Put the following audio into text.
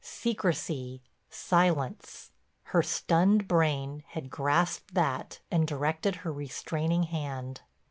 Secrecy, silence, her stunned brain had grasped that and directed her restraining hand.